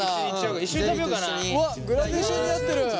うわっグラデーションになってる。